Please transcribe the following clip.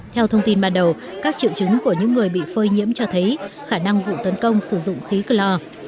theo thông tin ban đầu các triệu chứng của những người bị phơi nhiễm cho thấy khả năng vụ tấn công sử dụng khí clor